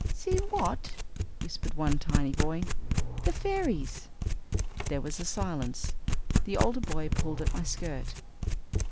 "See what?" whispered one tiny boy. "The fairies." There was a silence. The older boy pulled at my skirt.